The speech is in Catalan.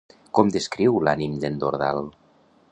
Com descriu l'ànim d'en Dordal?